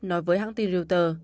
nói với hãng tìm reuters